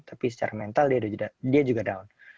tapi secara mental dia juga down